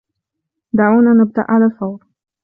دعونا نبدأ على الفور.